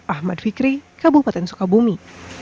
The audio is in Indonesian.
ahmad fikri kabupaten sukabumi